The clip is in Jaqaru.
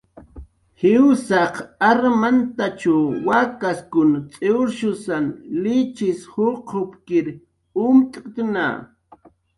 Jiwsaq armantachw wakaskun t'iwrshusan lichis juqupkir umt'ktna